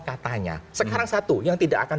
katanya sekarang satu yang tidak akan